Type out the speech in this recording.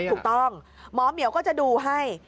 ถูกต้องหมอเหมียวก็จะดูให้